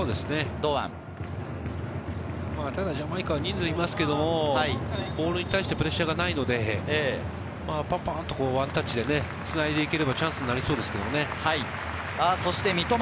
堂安、ただジャマイカは人数がいますけど、ボールに対してプレッシャーがないので、パンパンとワンタッチでつないで行ければチャンスになりそうですけどね。